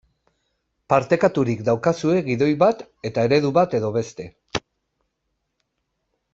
Partekaturik daukazue gidoi bat eta eredu bat edo beste.